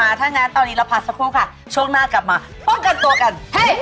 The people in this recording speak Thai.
ถ้างั้นตอนนี้เราพักสักครู่ค่ะช่วงหน้ากลับมาป้องกันตัวกัน